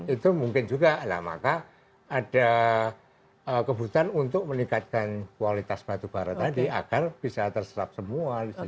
itu mungkin juga maka ada kebutuhan untuk meningkatkan kualitas batubara tadi agar bisa terserap semua